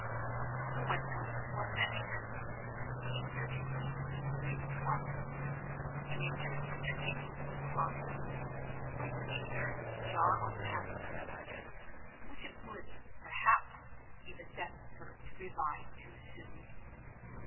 No one else was at hand, and the emergency was a serious one. Strangers undertaking the responsibility might ignorantly jar on past recollections, which it would, perhaps, be the death of her to revive too soon.